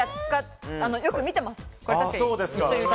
よく見てます。